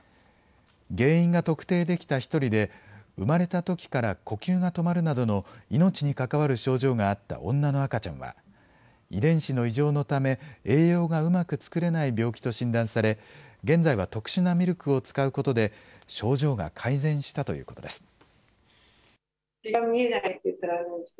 原因が特定できた１人で、生まれたときから呼吸が止まるなどの命に関わる症状があった女の赤ちゃんは、遺伝子の異常のため栄養がうまく作れない病気と診断され、現在は特殊なミルクを使うことで、症状が改善したということです。